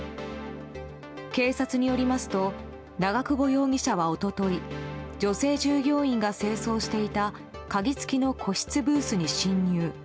警察によりますと長久保容疑者は一昨日女性従業員が清掃していた鍵付きの個室ブースに侵入。